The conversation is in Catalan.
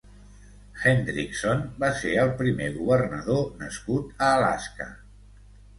Hendrickson va ser el primer governador nascut a Alaska.